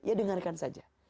ya dengarkan saja